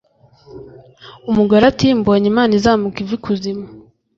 umugore ati “mbonye imana izamuka iva ikuzimu”